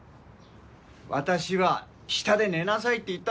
私は下で寝なさいって言ったのよ？